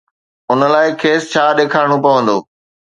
ان لاءِ کيس ڇا ڏيکارڻو پوندو؟